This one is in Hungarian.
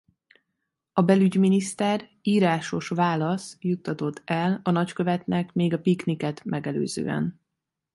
A belügyminiszter írásos válasz juttatott el a nagykövetnek még a pikniket megelőzően.